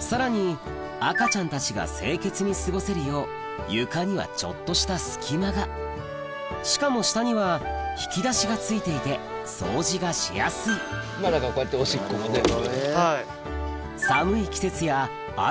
さらに赤ちゃんたちが清潔に過ごせるよう床にはちょっとした隙間がしかも下には引き出しが付いていて掃除がしやすいこうやっておしっこも全部。